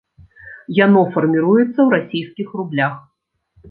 Яно фарміруецца ў расійскіх рублях.